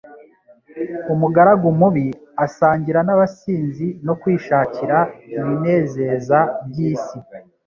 Umugaragu mubi asangira n'abasinzi no kwishakira ibinezeza by'isi.